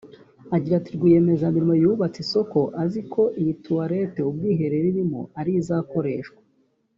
Agira ati “rwiyemezamirimo yubatse isoko aziko iyi toilette (ubwiherero) irimo ariyo izakoreshwa